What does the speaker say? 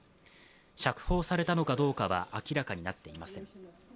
釈放されたのかどうかは明らかになっていません。